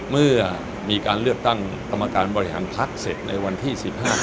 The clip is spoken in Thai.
เมื่อมีการเลือกตั้งกรรมการบริหารพักเสร็จในวันที่๑๕